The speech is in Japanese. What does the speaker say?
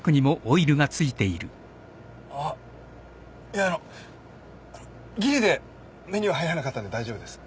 あっいやあのあのぎりで目には入らなかったんで大丈夫です。